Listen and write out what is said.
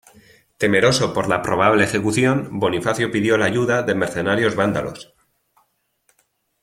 Temeroso por la probable ejecución, Bonifacio pidió la ayuda de mercenarios vándalos.